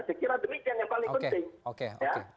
saya kira demikian yang paling penting ya